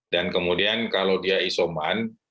dan kemudian kalau dia isoman